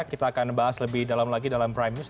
kita akan bahas lebih dalam lagi dalam prime news